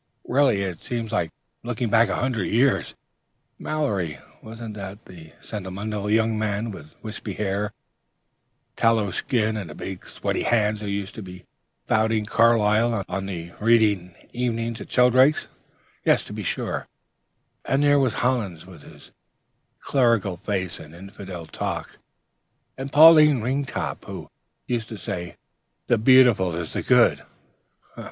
"Really, it seems like looking back a hundred years. Mallory, wasn't that the sentimental young man, with wispy hair, a tallowy skin, and big, sweaty hands, who used to be spouting Carlyle on the 'reading evenings' at Shelldrake's? Yes, to be sure; and there was Hollins, with his clerical face and infidel talk, and Pauline Ringtop, who used to say, 'The Beautiful is the Good.'